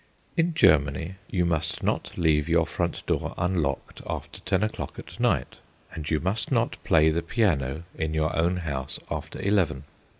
In Germany you must not leave your front door unlocked after ten o'clock at night, and you must not play the piano in your own house after eleven.